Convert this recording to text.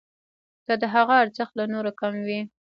که د هغه ارزښت له نورو کم وي.